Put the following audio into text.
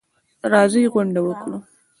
راځئ غونډه وکړو.